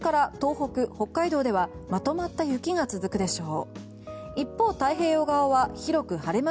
北海道ではまとまった雪が続くでしょう。